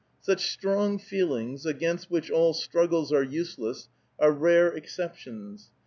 Such strong feelings, i^ainst which all struggles are useless, are rare exceptions.